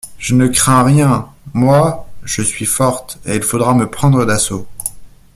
Je ne crains rien, moi, je suis forte, Il faudra me prendre d’assaut !